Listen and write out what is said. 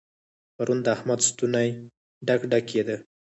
پرون د احمد ستونی ډک ډک کېد.